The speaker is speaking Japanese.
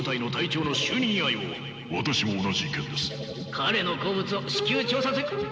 彼の好物を至急調査す。